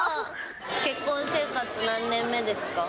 結婚生活何年目ですか？